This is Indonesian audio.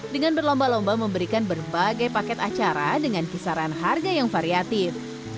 dengan berlomba lomba memberikan berbagai paket acara dengan kisaran harga yang variatif